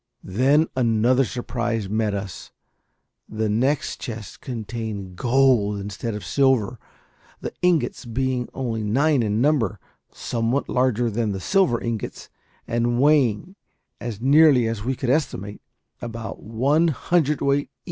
Then another surprise met us. The next chest contained gold instead of silver; the ingots being only nine in number, somewhat larger than the silver ingots, and weighing, as nearly as we could estimate, about one hundredweight each.